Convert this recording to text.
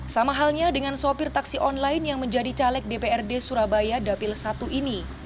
sama halnya dengan sopir taksi online yang menjadi caleg dprd surabaya dapil satu ini